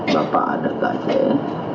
bapak ada ke aceh